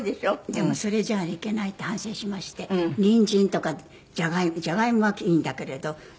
でもそれじゃあいけないって反省しましてニンジンとかじゃがいもじゃがいもはいいんだけれど。